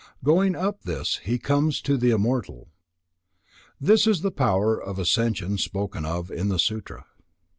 Going up this, he comes to the immortal." This is the power of ascension spoken of in the Sutra.